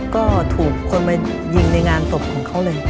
ก็ถูกคนมายิงในงานศพของเขาเลย